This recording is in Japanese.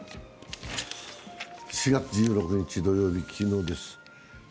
４月１６日土曜日、昨日です。